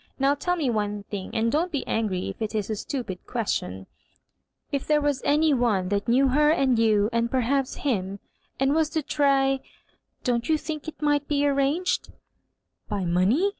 Now, tell me one thing, and dont be angry if it is a stupid question — ^If there was any one that know her and you, and perhaps him, and was to try— don't you think it might be linranged 7'' '^ By money?"